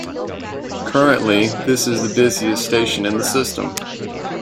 Currently, this is the busiest station in the system.